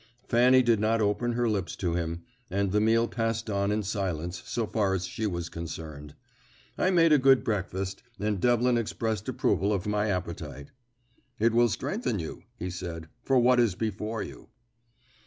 Fanny did not open her lips to him, and the meal passed on in silence so far as she was concerned. I made a good breakfast, and Devlin expressed approval of my appetite. "It will strengthen you," he said, "for what is before you."